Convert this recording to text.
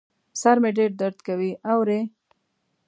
سر مي ډېر درد کوي ، اورې ؟